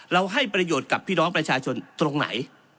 ให้ประโยชน์กับพี่น้องประชาชนตรงไหน